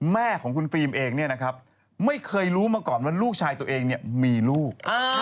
แม่ของคุณฟิล์มเองเนี่ยนะครับไม่เคยรู้มาก่อนว่าลูกชายตัวเองเนี่ยมีลูก